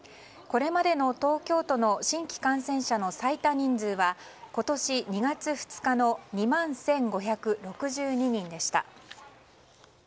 これまでの東京都の新規感染者の最多人数は今年２月２日の２万１５６２人でした。